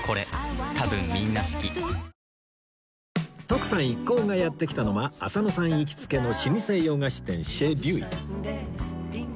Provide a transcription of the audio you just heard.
徳さん一行がやって来たのは浅野さん行きつけの老舗洋菓子店シェ・リュイ